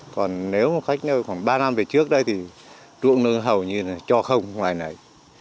còn nếu mà khách nơi khoảng ba năm về trước đây thì ruộng nơi hầu như là cho không ngoài này